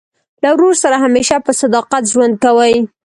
له ورور سره همېشه په صداقت ژوند کوئ!